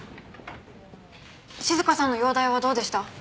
静香さんの容体はどうでした？